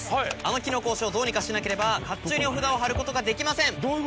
木の格子をどうにかしなければ甲冑にお札を貼ることができません。